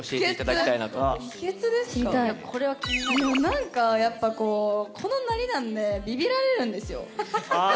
なんかやっぱこうこのなりなんでビビられるんですよ。